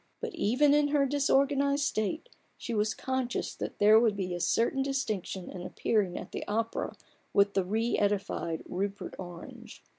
But even in her dis organized state she was conscious that there would be a certain distinction in appearing at the opera with the re edified Rupert Orange.